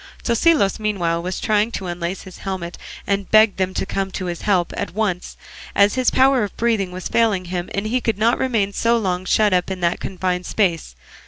Tosilos meanwhile was trying to unlace his helmet, and he begged them to come to his help at once, as his power of breathing was failing him, and he could not remain so long shut up in that confined space.